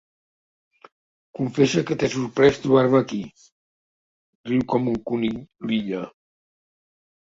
Confessa que t'ha sorprès trobar-me aquí —riu com un conill l'Illa.